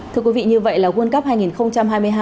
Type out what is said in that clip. thưa quý vị như vậy là world cup hai nghìn hai mươi hai